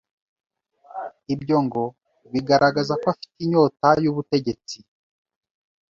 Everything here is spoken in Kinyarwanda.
ibyo ngo bigaragaza ko afite inyota y’ubutegetsi